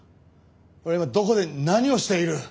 俺はどこで何をしている？